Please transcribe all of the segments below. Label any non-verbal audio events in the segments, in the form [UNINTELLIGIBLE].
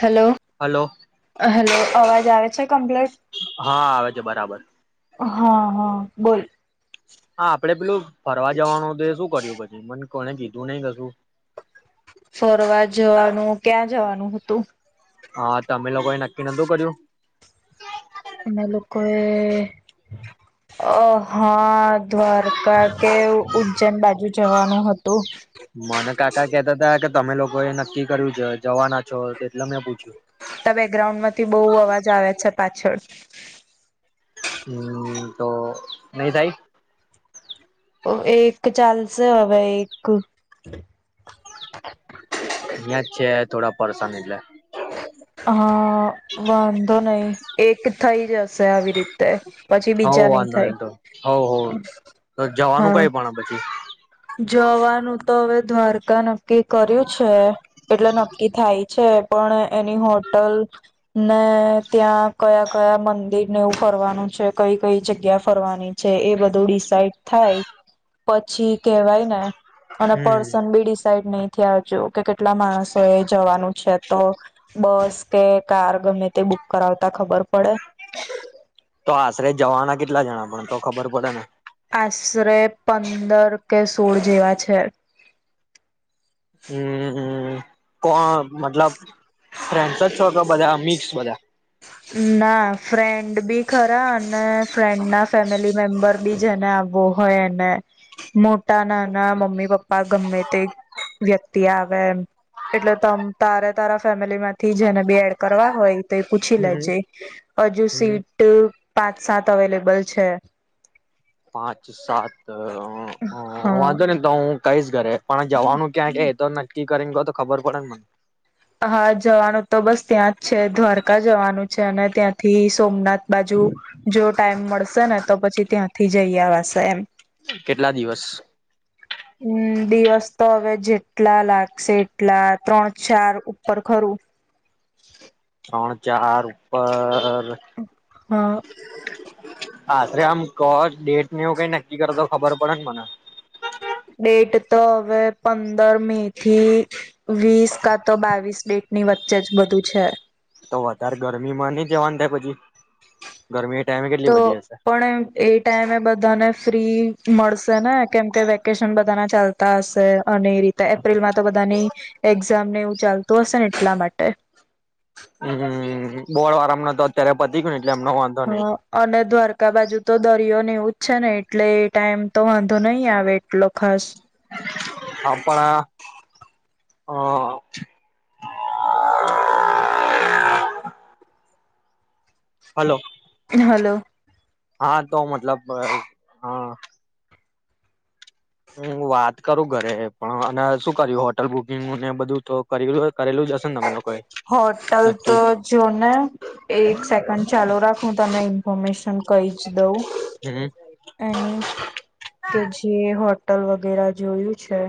Hello, hello hello અવાજ આવે છે કમ્પ્લીટ હા આવે છે, બરાબર હા, હા, બોલ હા આપડે પેલું ફરવા જવાનું હતુ, તે શું કર્યું પછી મને કીધું નહી કસું ફરવાર જવાનું, ક્યાં જવાનું હતું? હા, તમે લોકોએ નક્કી નહોતુ [UNINTELLIGIBLE] કર્યું એના લોકો એ અ, હા, દ્વારકા કે, ઉજ્જૈન બાજુ જવાનું હતું મને કાકા કેતા હતા કે તમે લોકો એ નક્કી કર્યું છે જવાના છો, તો એટલે મેં પૂછ્યું તા બેકગ્રાઉન્ડ માંથી બહુ અવાજ આવે છે, પાછળ [INAUDIBLE] હમ, તો નહી થાય એક ચાલશે હવે એક અહિયાં જ છે થોડા પરેશાન એટલે હા, વાંધો નહી એક થઈ જશે આવી રીતે પછી હો બીજા વાંધો થાય નહી તો, હો, હો, તો, જવાનું હા. કઈ આપણે જવાનું તો હવે દ્વારકા ન નક્કી કર્યું છે, એટલે નક્કી થાય છે પણ એની હોટલ ને ત્યાં કયા કયા મંદિરને એવું ફરવાનું છે, કઈ કઈ જગ્યા ફરવાની છે એ બધું ડિસઇડ થાય પછી કેવાય ને અને હમ પર્સન બી ડિસાઇડ નઈ આવજ કે કેટલા માણસો એ જવાનું છે, તો બસ કે કાર ગમે તે બુક કરાવતા ખબર પડે તો આશરે જવાના કેટલા જણા પણ તો ખબર પડે ને આશરે પંદર કે સોળ જેવા છે હમ, કોણ મતલબ ફ્રેન્ડસ છો કે બધા મિક્સ બધા ના ફ્રેન્ડ બી ખરા અને ફ્રેન્ડ ના ફેમિલી મેમ્બર બી, જેને આવવો હોય એને મોટા, નાના, મમ્મી પપ્પા, ગમે તે વ્યક્તિ આવે એ એટલે ત તારે તારા ફેમિલીમાંથી જેને બી એડ કરવા હોય તે પૂછી લે હમ હજુ હમ સીટ પા સાત અવેલેબલ છે પાંચ, સાત, હા વાંધો ને તો હું કઈશ ઘરે પણ, જવાનું ક્યાંક છે એ તો નક્કી કરીને તો ખબર પડે ને મને હા, જવાનું તો બસ ત્યાં જ છે, દ્વારકા જવાનું છે અને ત્યાંથી સોમનાથ બાજુ, જો ટાઈમ મળ શે ને તો પછી ત્યાંથી જઈ આવાશે એમ કેટલા દિવસ હમ, દિવસ તો હવે જેટલા લાગશે એટલા ત્રણ, ચાર, ઉપર ખરું [UNINTELLIGIBLE] ત્રણ, ચાર, ઉપર હા આશરે આમ કો ડેટ ને એવુ કઈ કર તો ખબર પડે ને મને ડેટ તો હવે પંદર મે થી વીસ કા તો બાવીસ ડેટ ની વચ્ચે જ બધું છે તો વધારે ગરમી માં નઈ જવાનું થાય પછી, ગરમી ટાઈમે કેટલી તો બધી હશે પણ એ ટાઈમે બધાને ફ્રી મળશે ને કેમ કે વેકેશન બધાના ચાલતા હશે અને એ રીતે એપ્રિલમાં તો બધાની એક્ઝામ ને ચાલતું હશે ને એટલા માટે હમણાં તો અત્યારે પતિ કો ન હા, અને દ્વારકા બાજુ તો દ દરિયો ને એવુંજ છે, ને એટલે ટાઈમ તો વાંધો નહી આવે એટલો ખાસ આપણા અ હલો હાલો હા, તો મતલબ હા હમ્મ વાત કરું ઘરે, પણ અને શું કર્યું હોટલ બુકિંગ ને બધું તો કર્યું હોટલ નક્કી તો જો ને, એક સેકન્ડ ચાલુ રાખ, હું તમને ઇન્ફોર્મેશન કહીજ દઉં, હમ એ કે જે હોટલ વ વગેરા જોયું છે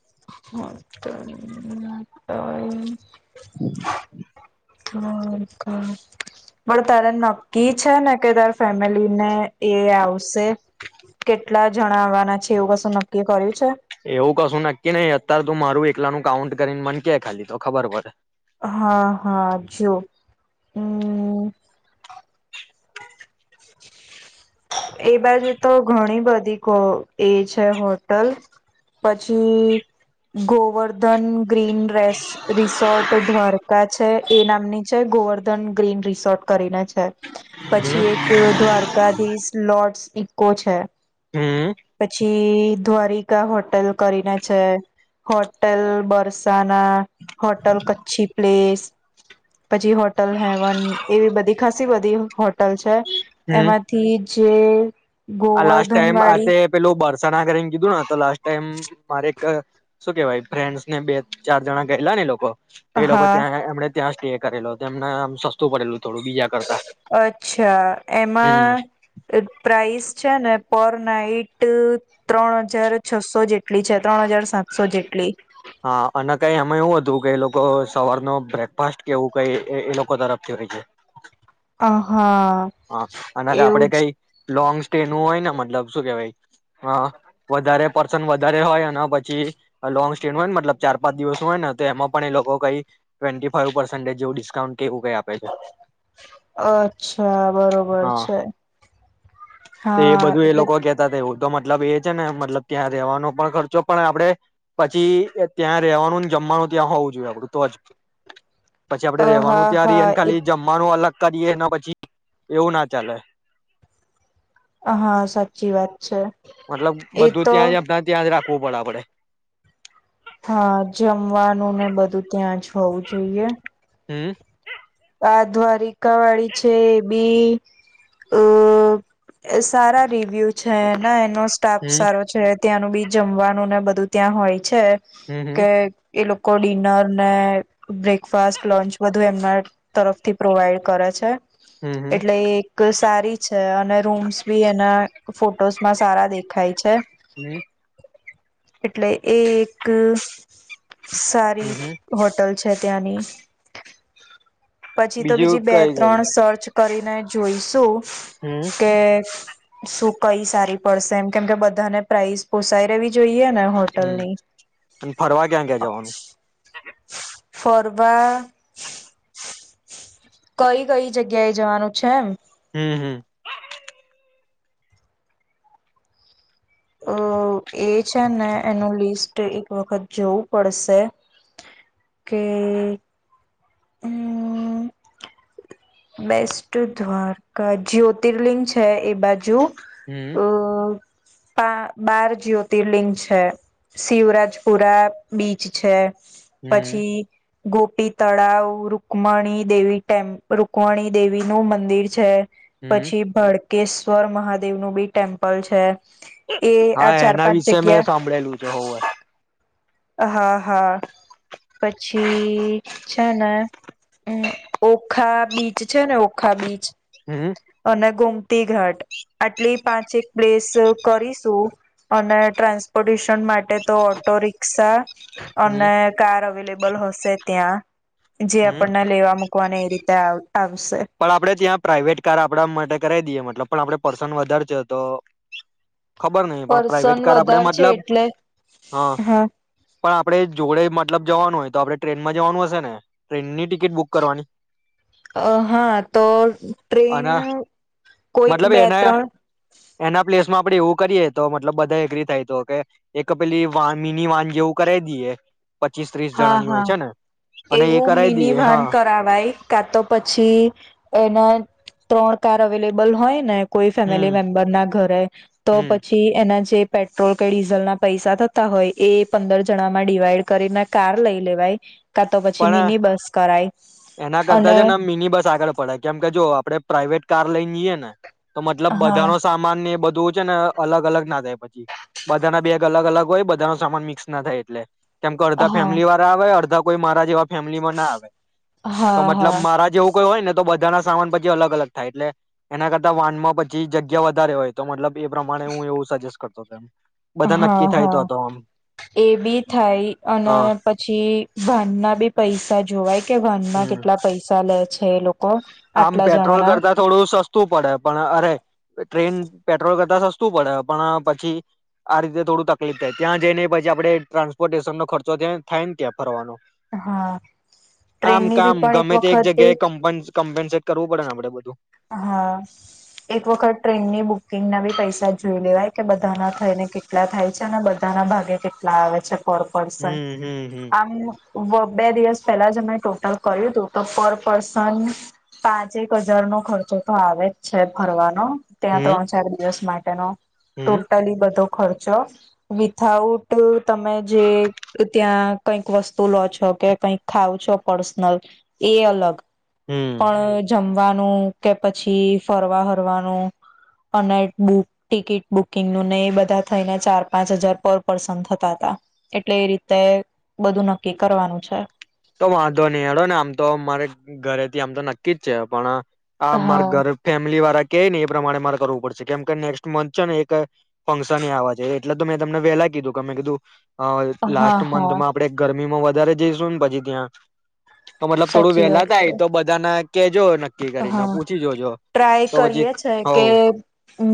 [UNINTELLIGIBLE] [INAUDIBLE] હા, પણ તારે નક્કી છે ને કે તારે ફેમિલીને એ આવશે, કેટલા જણાવવાના છે એવું કશું નક્કી કર્યું છે એવું કશું નક્કી નહી, અત્યારે તું મારું એક એકલાનું કાઉન્ટ કરીને મને કે ખાલી, તો ખબર પડે હા, હા, જો હું એ બાજુ તો ઘણી બધી એ છે હોટલ, પછી Govardhan green race resort Dwarka છે એ નામની છે, ગોવર્ધન ગ્રીન રિસોર્ટ કરીને છે, હમ પછી એક દ્વારકાધીશ લોર્ડ્સ ઇકો છે હમ્મ પછી દ્વારિકા હોટલ કરીને છે, hotel Barsana, hotel Kutchi place, પછી હોટલ હેવન, એવી બધી ખાસી બધી હોટલ છે હમ એમાંથી જે આ લાસ્ટ ગોવર્ધન ટાઈમ આ તે વાળી પેલું બ સના કરીને કીધું ને તો લાસ્ટ ટાઈમ મારે એક શું કેવાય ફ્રેન્ડસ ને બે, ચાર, જણા ગયેલા ને લોકો તે એ લોકો હા ત્યાં એમણે ત્યાં સ્ટે કરેલો, એમને આમ સસ્તું પડેલું થોડું બીજા કરતા અચ્છા, હમ એમાં પ્રાઇસ છે ને પર નાઈટ ત્રણ હજાર છસો જેટલી છે, ત્રણ હજાર સાતસો જેટલી હા, અને કઈ એમાં એવું હતું કે એ લોકો સવાર નો બ્રેકફાસ્ટ કેવું કઈ, એ લોકો તરફથી હોય છે અહા હા, અને આપડે કઈ લોંગ સ્ટે નું હોય ને મતલબ શું કેહેવાય વધારે પર્સન, વધારે હોય અને પછી લોંગ સ્ટે નું હોય ને મતલબ ચાર, પાંચ, દિવસ હોય ને, તો એમાં પણ એ લોકો કઈ ટ્વેન્ટી ફાવ પર્સેન્ટેજ જેવું ડિસ્કાઉન્ટ કેવું કઈ આપે છે હા, બરોબર હા છે તો એ હા, બધું એ એટલે લોકો કેતા હતા એવું તો મતલબ એ છે ને મતલબ ત્યાં રેવાનો પણ ખર્ચો પણ આપડે પછી ત્યાં રેવાનુંને જમવાનું ત્યાં હોવું જોઈએ આપડું તો જ પછી આપડે રેવાનું હા ત્યાં રીએ હા અને એ ખાલી જમવાનું અલગ કરીએના પછી એવું ના ચાલે હા, સાચી વાત છે મતલબ એ બધું તો ત્યાં જ, આપણા ત્યાં જ રાખવું. બરાબડે હા! જમવાનું ને બધું ત્યાં જ હોવું જોઈએ. હમ! આ દ્વારી કા વાળી છે એ [INAUDIBLE] ઈ અઅ સારા રિવ્યુ છે. એના એનો સ્ટાફ હમ સારો છે. ત્યાંનું બી જમવાનું ને, બધું ત્યાં હોય. છે હમ હમ કે એ લોકો ડિનર ને બ્રેકફાસ્ટ લંચ બધુ એમના તરફથી પ્રોવાઈડ કરે છે. હમ હમ એટલે એક સ સારી છે. અને રૂમ્સ બી એના ફોટોસ માં સારા દેખાય છે. હમ. [INAUDIBLE] એટલે એ એક હમ સારી હમ હોટલ છે. ત્યાની. પછી તો, બીજું બીજી બે, કઈ ત્રણ કઈ સર્ચ કરીને જોઈશ. તો. હમ કેએ શું કઈ સારી પડશે એમ? કેમ કે બધાને પ્રાઇઝ પોસાઈ રેવી જો જોઈએ ને હમ હોટલની. અને ફરવા ક્યાં ક્યાં જવાનું [UNINTELLIGIBLE] ફરવા--. કઈ કઈ જગ્યા એ જવાનું છે એમ.? હમ હમ. અ એ છે ને એનું લિસ્ટ એક વખત જોવું પડશે કે એ હમ. બેસ્ટ દ્વારકા જ્યોતિર્લિંગ છે. એ બાજુ. હમ. અ પા બાર જ્યોતિર્લિંગ છે. શિવરાજપુરા બીચ છે. હમ પછી. ગોપી તળાવ, રુકમણી દેવી ટેમ્પ રુકમણી દેવી નું મંદિર છે. હમ પછી ભડ કેશ્વર મહાદેવ નું બી ટેમ્પલ છે. એ આ હા ચાર એના પાંચ વિશે મેં જગ્યા સાંભળેલું છે હોવે. હા, હા, પછી છે નેમ ઓખા બીચ છે ને ઓખા બીચ હમ અને ગોમ તી ઘાટ આટલી પાંચ એક પ્લેસ કરીશું અને ટ્રાન્સપોર્ટેશન માટે તો ઓટો રિક હમ અને કાર અવેલેબલ હશે ત્યાં જે હમ આપણને લેવા મુૂકવાની તા પણ આપડે ત્યાં પ્રાાઈવેટ કાર આપણા માટે કરાવ દઈએ મતલબ પણ આપડે પર્સન વધારે છે તો ખબર નહિ પણ પર્સન પ્રાઇવેટ કાર આપડે વધારે છે મતલબ એટલે હા પણ આપણે જોડે મતલબ જવાનું હોય તો આપણે ટ્રેનમાં જવાનું હશે ને ટ્રેનની ટિકિટ બુક કરવાની અ હા, તો ટ્રેન અને કોઈક મતલબ બે, એના ત્રણ એના પ્લેસમાં આપડે એવું કરીએ તો મતલબ બધા એગ્રી થાય તો કે એક પેલી વાન મિની વાન જેવું કરાવી દઈએ પચીસ ત્રીસ હા, જણાની હોય હા, છે ને અને એ એવું કરાવી મિની દઈએ વાન હા કરાવાય કા તો પ પછી એના ત્રણ કાર અવેલેબલ હોય ને કોઈ હમ ફેમિલી મેમ્બર ના ઘરે તો હમ પછી એના જે પેટ્રોલ કે ડીઝલ ના પૈસા થતા હોય એ પંદર જણા માં ડિવાઈડ કરી ના કાર લઈ લેવાય કા તો પછી પણ મિની બસ કરાય એના કરતા અને જ ને મિની બસ આગળ પડે કેમ કે જો આપડે પ્રાાઈવેટ કાર લઈને જઈએે ને તો મતલબ હા બધાનો સામાન ને એ બધું બધું છે ને અલગ અલગ ના થાય પછી બધાના બેગ અલગ અલગ હોય બધા ન સામાન મિક્સ ના થાય એટલે. કેમ કે અડધા હા ફેમિલી વાળા હોય અડધા કોઈ મહારાજ ફેમલીમાં ના આવે તો હા મતલબ હા મારા જેવું કોઈ હોય ને તો બધા ના સામાન પછી અલગ અલગ થાય એટલે એના કરતા વાન માં પછી જગ્યા વધારે હોય તો મતલબ એ પ્રમાણે હું એવું સજેસ્ટ કરતોતો એમ. બધા હા નક્કી થાય તો હા હતો આમ એ બી થાય અને હા પછી ભાનના બી પૈસા જોવાય. કે વનમાં હમ કેટલા પૈસા લે છે લોકો આમ આટલા પેટ્રોલ જણાના કરતા થોડું સસ્તું સસ્તું પડે પણ અરે ટ્રેન પેટ્રોલ કરતા સસ્તું પડે પણ પછી આ રીતે થોડું તકલીફ થાય ત્યાં જઈને પછી આપડે ટ્રાન્સપોર્ટેશન નો ખર્ચો ત્યાં થાય ને ત્યાં ફરવાનો હા આમ ટ્રેનની બી કામ પણ ગમે તે એક વખત જગ્યાએ કંપની ટ કરવું પડેને આપે બધું હા એક વખત ટ્રેનની બુકિંગના બી પૈસા જોઈ લેવાય કે બધાના થઈને કેટલા થાય છે અને બધાના ભાગે કેટલા આવે છે. પર પસન હમ હમ હમ આમ બે દિવસ પહેલા જ મેમે ટોટલ કર્યું હતું તો પર પર્સન પાંચ એક હજાર નો ખર્ચો તો આવે જ છે ભરવાનો. ત્યાં હમ ત્રણ ચાર દિવસ માટે તનો હમ ટોટલી બધો ખર્ચો વિથાઉટ તમે જે ત્યાં કઈક વસ્તુ લો છો કે કઈક ખાવ છો પર્સનલ એ અલગ હમ પણ જમ વાનું કે પછી ફરવા ફરવાનું અને બુક ટિકિટ બુકિંગનું ને એ બધા થઈને ચાર પાંચ હજાર પર પર્સન થતા હતા એટલે એ રીતે બધું નક્કી કરવાનું છે. તો વાંધો નહી હળો ને આમ તો મારે ઘરે થી આમ તો નક્કી જ છે પણ આ મારા હા ઘર ફેમિલી વાળા કે ને એ પ્રમાણે મારે કરવું પડશે કેમ કે નેક્સ્ટ મંથ છે ને એક ફંક્શન આવવા છે એટલે તો મેં તમને વેલા કીધું કે મેં કીધું હા હા લાસ્ટ હા મંથમાં આપડે ગરમીમાં વધારે જઈશું ને પછી અ ત્યા તો મતલબ થોડું સાચી વેલા વાત છે થાય તો બધાના હા ટ્રાય તો પછી કરીએ છે કે હવ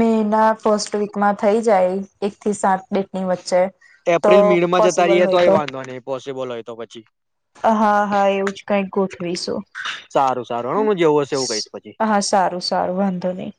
મે ના ફસ્ટ વીકમાં થઈ જાય એક થી સાત ડેટ ની વચ્ચે તો એપ્રિલ મે માં જતા પોસિબલ રહીએ તો હોય વાંધો નહી પોસિબલ હોય તો પછી હા હા એવું જ કઈક ગોઠવીશું. સારું સારું હ હ જેવું હશે એવું કહીશ પછી હા સારું સારું વાંધો નહી.